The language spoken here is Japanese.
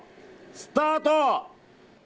スタート！